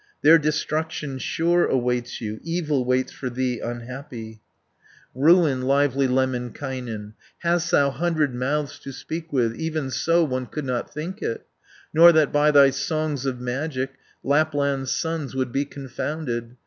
There destruction sure awaits you, Evil waits for thee, unhappy, Ruin, lively Lemminkainen! Hadst thou hundred mouths to speak with, Even so, one could not think it, Nor that by thy songs of magic Lapland's sons would be confounded.